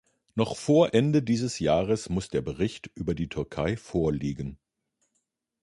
Noch vor Ende dieses Jahres muss der Bericht über die Türkei vorliegen.